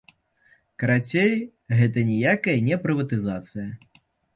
Карацей, гэта ніякая не прыватызацыя.